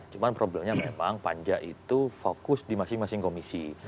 cuma problemnya memang panja itu fokus di masing masing komisi